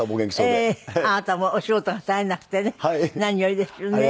あなたもお仕事が絶えなくてね何よりですよね。